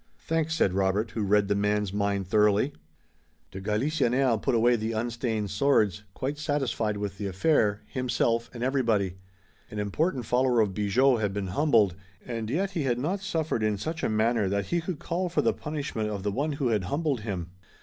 "Thanks," said Robert, who read the man's mind thoroughly. De Galisonnière put away the unstained swords, quite satisfied with the affair, himself and everybody. An important follower of Bigot had been humbled, and yet he had not suffered in such a manner that he could call for the punishment of the one who had humbled him.